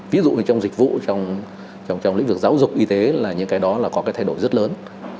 ví dụ như trong dịch vụ trong lĩnh vực giáo dục y tế là những cái đó là có cái thay đổi rất lớn